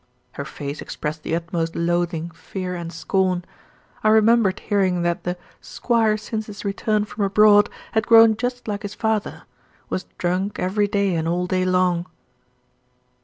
"Home!" Her face expressed the utmost loathing, fear, and scorn. I remembered hearing that the 'Squire since his return from abroad had grown just like his father; was drunk every day and all day long.